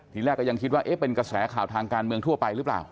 ทีแรกก็ยังคิดว่าเอ๊ะเป็นกระแสข่าวทางการเมืองทั่วไปหรือเปล่า